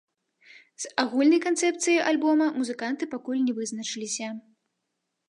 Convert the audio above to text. З агульнай канцэпцыяй альбома музыканты пакуль не вызначыліся.